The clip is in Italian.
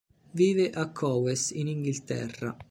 Vive a Cowes in Inghilterra.